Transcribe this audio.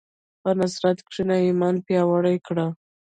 په نصرت کښېنه، ایمان پیاوړی کړه.